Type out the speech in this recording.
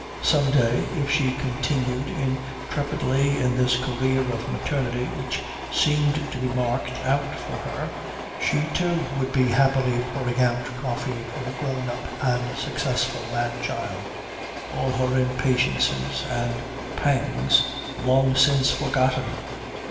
Some day, if she continued intrepidly in this career of maternity which seemed to be marked out for her, she, too, would be happily pouring out coffee for a grown up and successful man child, all her impatiences and pangs long since forgotten.